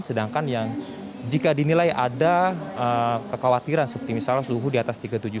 sedangkan yang jika dinilai ada kekhawatiran seperti misalnya suhu di atas tiga ratus tujuh puluh